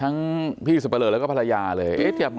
ทั้งพี่สับปะเลอแล้วก็ภรรยาเลย